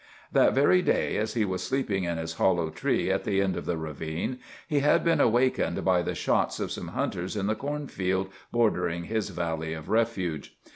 That very day, as he was sleeping in his hollow tree at the end of the ravine, he had been awakened by the shots of some hunters in the corn field bordering his valley of refuge.